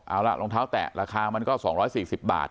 เอาล่ะรองเท้าแตะราคามันก็๒๔๐บาท